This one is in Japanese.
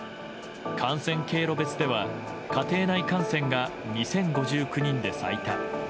感染経路別では家庭内感染が２０５９人で最多。